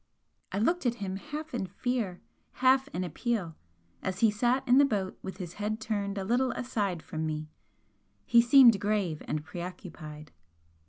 I looked at him half in fear, half in appeal, as he sat in the boat with his head turned a little aside from me, he seemed grave and preoccupied.